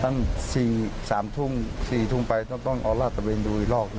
ตอนนั้นสามทุ่มสี่ทุ่มไปต้องออกรอดต้องเป็นด้วยมากนะครับ